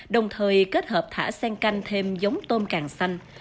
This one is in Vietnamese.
đồng thời kết hợp thả sen canh thêm giống tôm càng xanh